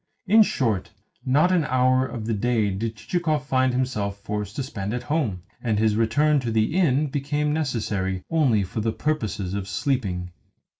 In short, not an hour of the day did Chichikov find himself forced to spend at home, and his return to the inn became necessary only for the purposes of sleeping.